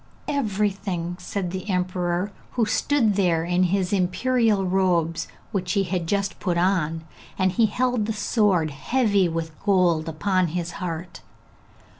'Everything!' said the emperor, who stood there in his imperial robes which he had just put on, and he held the sword heavy with gold upon his heart.